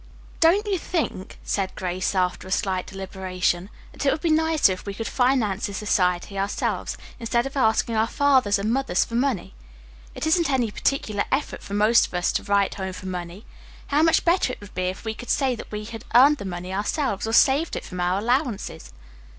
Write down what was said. "Don't you think," said Grace after a slight deliberation, "that it would be nicer if we could finance this society ourselves, instead of asking our fathers and mothers for money? It isn't any particular effort for most of us to write home for money. How much better it would be if we could say that we had earned the money ourselves, or saved it from our allowances."